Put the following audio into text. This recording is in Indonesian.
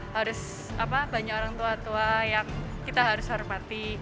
harus banyak orang tua tua yang kita harus hormati